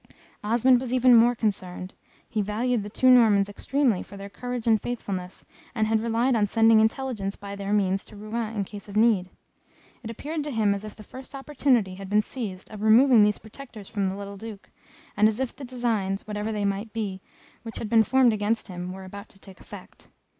Osmond was even more concerned; he valued the two Normans extremely for their courage and faithfulness, and had relied on sending intelligence by their means to Rouen, in case of need. It appeared to him as if the first opportunity had been seized of removing these protectors from the little Duke, and as if the designs, whatever they might be, which had been formed against him, were about to take effect.